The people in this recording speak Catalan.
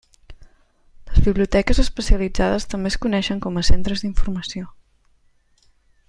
Les biblioteques especialitzades també es coneixen com a centres d'informació.